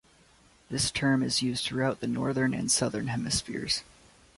This term is used throughout the northern and southern hemispheres.